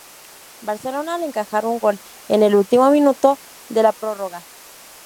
Barcelona al encajar un gol en el último minuto de la prórroga.